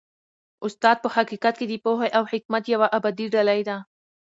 استاد په حقیقت کي د پوهې او حکمت یوه ابدي ډالۍ ده.